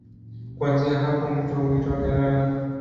Kuanzia hapa mto huitwa Galana.